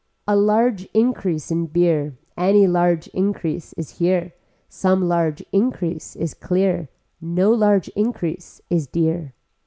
A large increase in beer, any large increase is here, some large increase is clear, no large increase is dear.